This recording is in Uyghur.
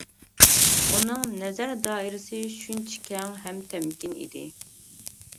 ئۇنىڭ نەزەر دائىرىسى شۇنچە كەڭ ھەم تەمكىن ئىدى.